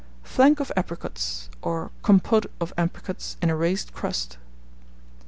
FLANC OF APRICOTS, or Compote of Apricots in a Raised Crust.